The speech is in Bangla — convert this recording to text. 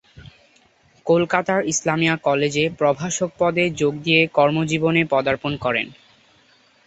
কলকাতার ইসলামিয়া কলেজে প্রভাষক পদে যোগ দিয়ে কর্মজীবনে পদার্পণ করেন।